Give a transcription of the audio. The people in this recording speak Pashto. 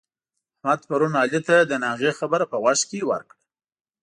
احمد پرون علي ته د ناغې خبره په غوږ کې ورکړه.